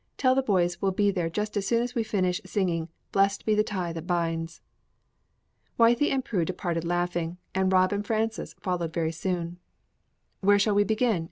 Tell the boys we'll be there just as soon as we finish singing 'Blest be the tie that binds.'" Wythie and Prue departed laughing, and Rob and Frances followed very soon. "Where shall we begin?"